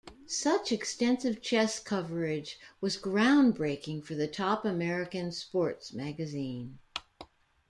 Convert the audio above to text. Such extensive chess coverage was groundbreaking for the top American sports' magazine.